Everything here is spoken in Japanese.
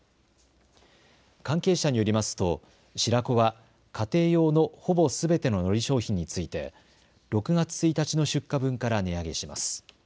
関係者によりますと白子は家庭用のほぼすべてののり商品について６月１日の出荷分から値上げします。